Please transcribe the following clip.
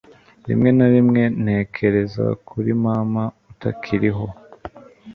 Rimwe na rimwe, ntekereza kuri mama utakiriho.